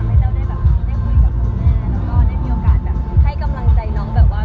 ทำให้เราได้คุยกับคนหน้าและได้มีโอกาสให้กำลังใจน้องต่อหน้า